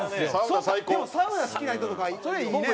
でもサウナ好きな人とかそれいいね。